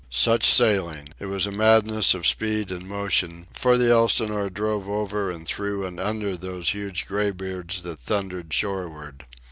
Such sailing! It was a madness of speed and motion, for the Elsinore drove over and through and under those huge graybeards that thundered shore ward.